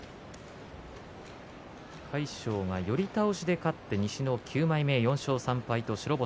魁勝が寄り倒しで勝って西の９枚目、４勝３敗。